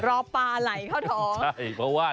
รอปลาไหลเข้าท้อง